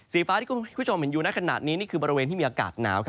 ฟ้าที่คุณผู้ชมเห็นอยู่ในขณะนี้นี่คือบริเวณที่มีอากาศหนาว